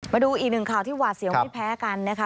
มาดูอีกหนึ่งข่าวที่หวาดเสียวไม่แพ้กันนะคะ